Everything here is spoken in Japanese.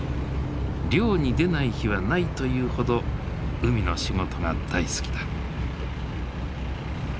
漁に出ない日はないというほど海の仕事が大好きだ。